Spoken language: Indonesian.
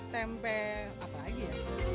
tempe apa lagi ya